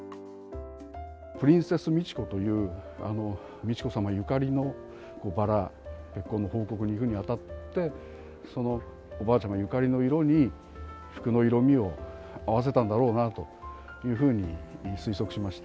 プリンセス・ミチコという美智子さまゆかりのバラ、結婚の報告に行くにあたって、そのおばあちゃまゆかりの色に服の色味を合わせたんだろうなというふうに推測しました。